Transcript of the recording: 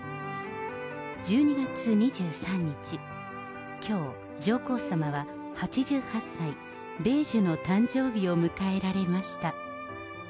１２月２３日、きょう、上皇さまは８８歳、米寿の誕生日を迎えられました。